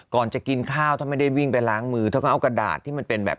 ก่อนจะกินข้าวถ้าไม่ได้วิ่งไปล้างมือเธอก็เอากระดาษที่มันเป็นแบบ